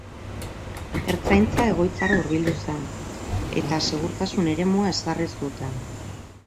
Ertzaintza egoitzara hurbildu zen eta segurtasun-eremua ezarri zuten.